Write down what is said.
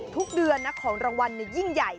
ทุกเดือนนะของรางวัลยิ่งใหญ่